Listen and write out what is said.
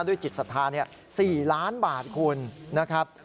จิตศรัทธา๔ล้านบาทคุณนะครับ